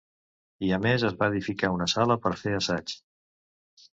I a més es va edificar una sala per fer assaigs.